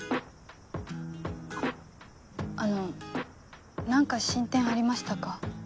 あの何か進展ありましたか？